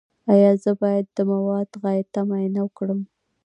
ایا زه باید د مواد غایطه معاینه وکړم؟